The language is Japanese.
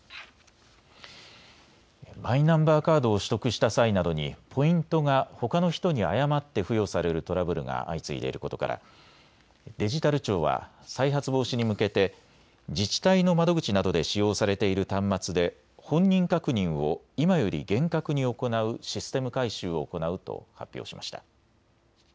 マイナンバーカードを取得した際などにポイントがほかの人に誤って付与されるトラブルが相次いでいることからデジタル庁は再発防止に向けて自治体の窓口などで使用されている端末で本人確認を今より厳格に行うシステム改修を行うと発表しました。